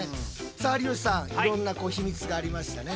さあ有吉さんいろんなヒミツがありましたね。